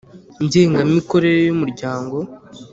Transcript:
Ngengamikorere y umuryango